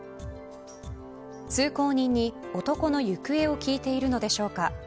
通行人に、男の行方を聞いているのでしょうか。